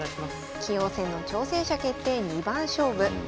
棋王戦の挑戦者決定二番勝負。